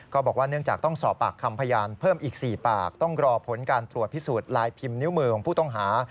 บอกว่าเนื่องจากต้องสอบปากคำพยานเพิ่มอีก๔ปากต้องรอผลการตรวจพิสูจน์ลายพิมพ์นิ้วมือของผู้ต้องหา